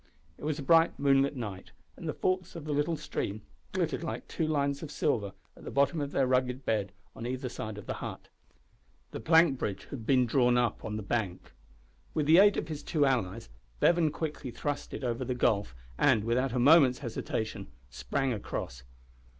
It was a bright moonlight night, and the forks of the little stream glittered like two lines of silver, at the bottom of their rugged bed on either side of the hut. The plank bridge had been drawn up on the bank. With the aid of his two allies Bevan quickly thrust it over the gulf, and, without a moment's hesitation, sprang across.